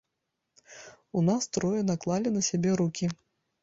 У нас трое наклалі на сябе рукі.